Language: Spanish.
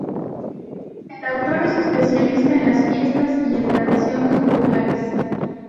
El autor es especialista en las fiestas y en tradiciones populares.